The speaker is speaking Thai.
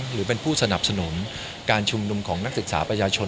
หรือเป็นผู้สนับสนุนการชุมนุมของนักศึกษาประชาชน